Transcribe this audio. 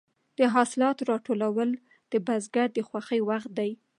د حاصلاتو راټولول د بزګر د خوښۍ وخت دی.